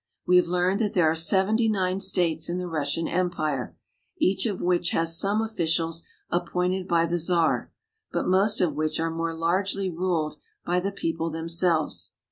We have learned that there are seventy nine states in the Russian Empire, each of which has some officials appointed by the Czar, but most of which are more largely ruled by the people themselves.